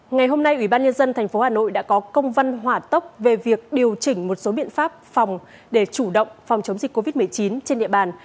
ngày hôm nay ủy ban nhân dân tp hà nội đã có công văn hỏa tốc về việc điều chỉnh một số biện pháp phòng để chủ động phòng chống dịch covid một mươi chín trên địa bàn